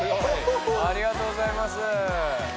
ありがとうございます。